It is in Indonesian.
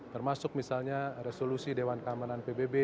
termasuk misalnya resolusi dewan keamanan pbb nomor empat ratus tujuh puluh delapan